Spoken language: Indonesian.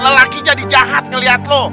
lelaki jadi jahat ngeliat lo